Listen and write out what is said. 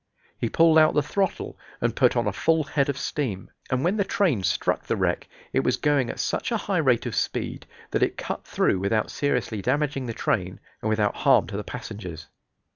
He pulled out the throttle and put on a full head of steam, and when the train struck the wreck it was going at such a high rate of speed that it cut through without seriously damaging the train and without harm to the passengers.